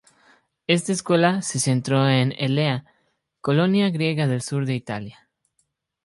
Esta escuela se centró en Elea, colonia griega del sur de Italia.